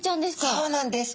そうなんです。